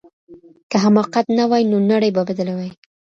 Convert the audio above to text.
که حماقت نه وای نو نړۍ به بدله وای.